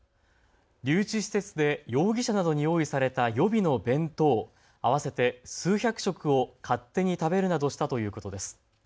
留置施設で容疑者などに用意された予備の弁当合わせて数百食を勝手に食べるなどしたということです。